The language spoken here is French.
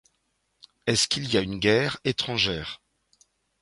Est-ce qu'il y a une guerre étrangère?